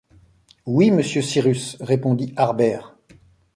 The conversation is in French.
Oui, monsieur Cyrus répondit Harbert